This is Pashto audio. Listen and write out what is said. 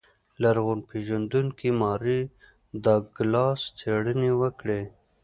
لرغون پېژندونکو ماري ډاګلاس څېړنې وکړې.